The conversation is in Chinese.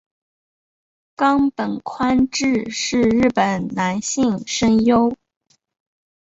冈本宽志是日本男性声优。